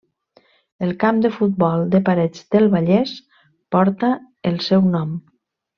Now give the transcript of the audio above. El camp de futbol de Parets del Vallès porta el seu nom.